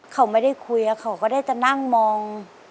เขาไม่ได้คุยเขาก็ได้จะนั่งมอง